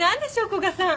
古賀さん。